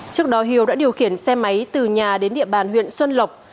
trước đó hiếu đã điều khiển xe máy từ nhà đến địa bàn huyện xuân lộc